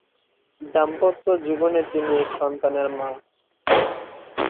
দাম্পত্য জীবনে তিনি এক সন্তানের মা।